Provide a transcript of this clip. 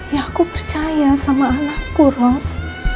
ya aku percaya sama anakku ros